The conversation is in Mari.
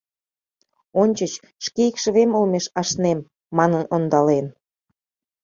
Ончыч «шке икшывем олмеш ашнем», — манын ондален.